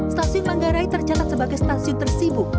stasiun manggarai tercatat sebagai stasiun tersibuk